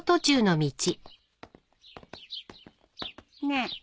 ねえ。